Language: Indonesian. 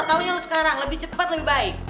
taunya lo sekarang lebih cepat lebih baik